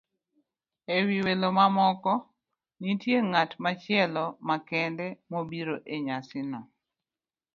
E wi welo mamoko, nitie ng'at machielo makende mobiro e nyasino.